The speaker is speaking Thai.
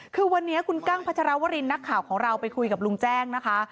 คือวันนี้คุณกั้งพัชรวรินนักข่าวของเราไปคุยกับลุงแจ้งนะคะ